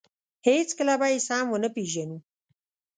هېڅکله به یې سم ونه پېژنو.